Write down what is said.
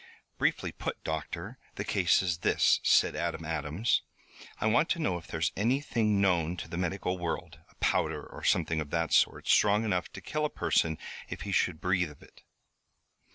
"Briefly put, doctor, the case is this," said Adam Adams. "I want to know if there is anything known to the medical world, a powder or something of that sort, strong enough to kill a person if he should breathe of it."